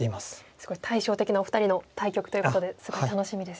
すごい対照的なお二人の対局ということですごい楽しみですね。